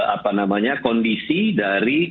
apa namanya kondisi dari